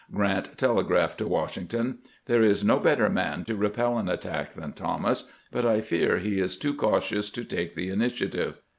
Grant telegraphed to Washington :" There is no better man to repel an attack than Thomas, but I fear he is too cautious to take the ini tiative."